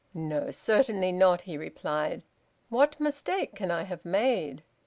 "No, certainly not," he replied. "What mistake can I have made?